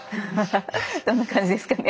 どんな感じですかね？